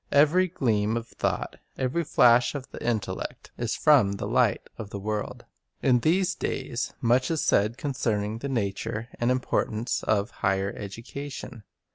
Every gleam of thought, every Hash of the intellect, is from the Light of the world. In these days much is said concerning the nature and importance of "higher education."